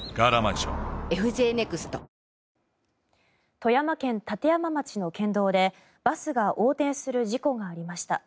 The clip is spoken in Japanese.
富山県立山町の県道でバスが横転する事故がありました。